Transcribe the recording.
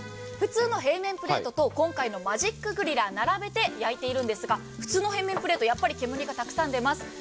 普通の平面プレートと今回のマジックグリラーを並べて焼いているんですが、普通の平面プレート、やっぱり煙がたくさん出ます。